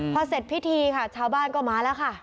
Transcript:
พอเสร็จพิธีค่ะชาวบ้านก็มาแล้วค่ะ